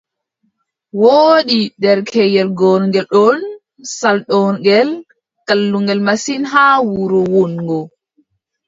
Woodi derkeyel gorngel ɗon, saldorngel, kallungel masin haa wuro wonngo.